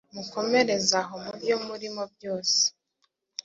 Mukomerezaho mubyo murimo byose